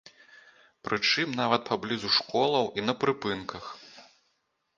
Прычым нават паблізу школаў і на прыпынках.